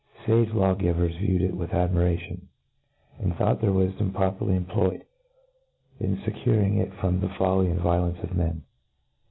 Sage lawgivers viewed it with admiration, and thought their wifdom properly employed^ in fccuring it from the folly and violence of men.